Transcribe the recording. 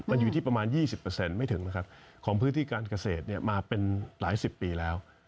มันอยู่ที่ประมาณ๒๐ไม่ถึงนะครับของพื้นที่การเกษตรมาเป็นหลายสิบปีแล้ว